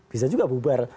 bisa juga bubar